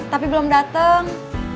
tapi belum dateng